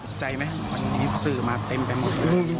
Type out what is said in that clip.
ตกใจไหมวันนี้สื่อมาเต็มไปหมด